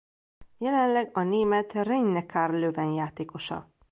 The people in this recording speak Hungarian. Jelenleg a német Rhein-Neckar Löwen játékosa.